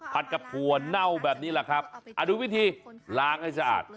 กับถั่วเน่าแบบนี้แหละครับดูวิธีล้างให้สะอาด